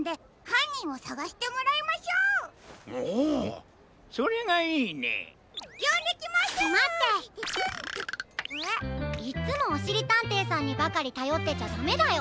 いっつもおしりたんていさんにばかりたよってちゃダメだよ。